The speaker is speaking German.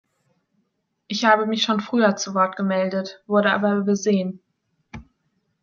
Ich habe mich schon früher zu Wort gemeldet, wurde aber übersehen.